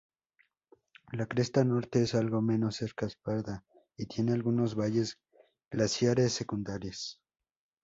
La cresta Norte es algo menos escarpada y tiene algunos valles glaciares secundarios.